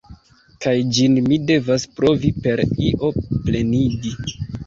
Kaj ĝin mi devas provi per io plenigi.